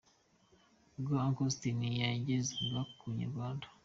Ubwo Uncle Austin yagezaga ku Inyarwanda.